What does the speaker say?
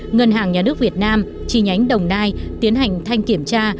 ngân hàng nhà nước việt nam chi nhánh đồng nai tiến hành thanh kiểm tra